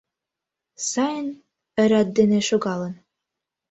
Сайын, рат дене шогалын